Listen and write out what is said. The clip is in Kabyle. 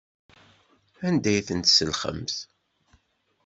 Anda ay ten-tselxemt?